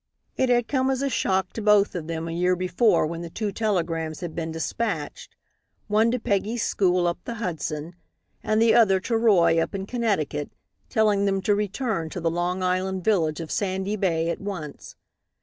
It had come as a shock to both of them a year before when two telegrams had been despatched one to Peggy's school up the Hudson, and the other to Roy up in Connecticut, telling them to return to the Long Island village of Sandy Bay at once.